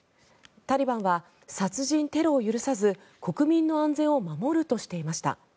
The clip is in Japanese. タリバンは殺人、テロを許さず国民の安全を守るとしていました。